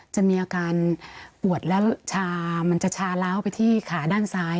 จะมีอาการปวดแล้วชามันจะชาล้าวไปที่ขาด้านซ้าย